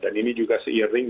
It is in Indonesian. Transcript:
dan ini juga seiring